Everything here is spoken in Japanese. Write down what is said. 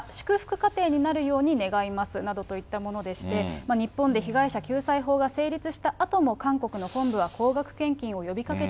家庭になるように願いますなどといったようなものでして、日本で被害者救済法が成立したあとも、韓国の本部は高額献天寶